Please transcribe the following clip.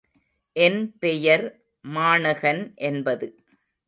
என் பெயர் மாணகன் என்பது.